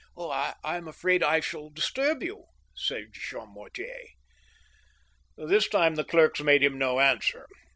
" I am afraid I shall disturb you," said Jean Mortier." This time the clerks made him no answer.